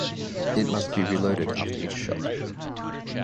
It must be reloaded after each shot.